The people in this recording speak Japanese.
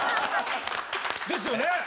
ですよね？